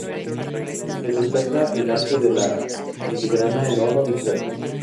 Se destaca el arte de la filigrana en oro y plata.